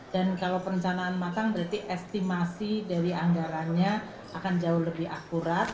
dan kalau perencanaan matang berarti estimasi dari anggarannya akan jauh lebih akurat